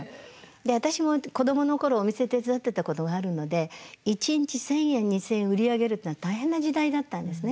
で私も子どもの頃お店手伝ってたこともあるので一日１，０００円２，０００円売り上げるっていうのは大変な時代だったんですね。